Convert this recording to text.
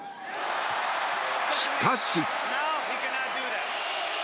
しかし。